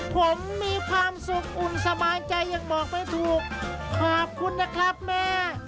ผมมีความสุขอุ่นสบายใจยังบอกไม่ถูกขอบคุณนะครับแม่